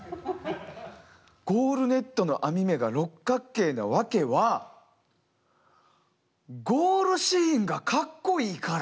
ゴールネットの編目が六角形なワケはゴールシーンがカッコイイから。